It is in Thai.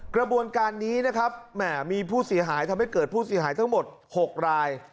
กระบวนการนี้นะครับแหมมีผู้เสียหายทำให้เกิดผู้เสียหายทั้งหมด๖ราย